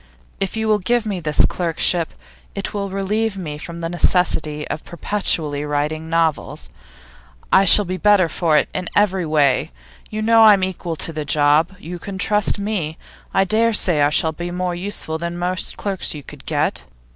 If you will give me this clerkship, it will relieve me from the necessity of perpetually writing novels; I shall be better for it in every way. You know that I'm equal to the job; you can trust me; and I dare say I shall be more useful than most clerks you could get.